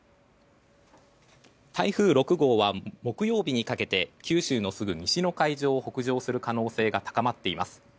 台風６号は木曜日にかけて九州のすぐ西の海上を北上する可能性が高まっています。